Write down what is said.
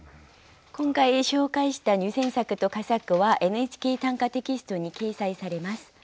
今回紹介した入選作と佳作は「ＮＨＫ短歌」テキストに掲載されます。